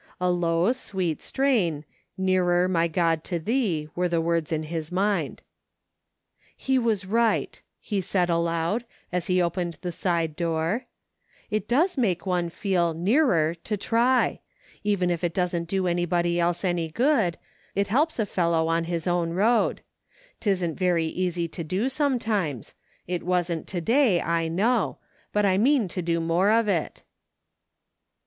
A low, sweet strain, " Nearer, my God, to thee," were the words in his mind. "He was right," he said aloud, as he opened OPPORTUNITY. 55 the side door, " It does make one feel * nearer ' to try. Even if it doesn't do anybody else any good, it helps a fellow on his own road. 'Tisn't very easy to do, sometimes ; it wasn't to day, I know ; but I mean to do more of it."